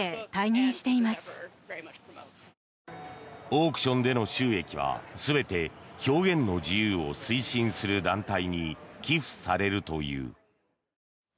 オークションでの収益は全て表現の自由を推進する団体に寄付されるという。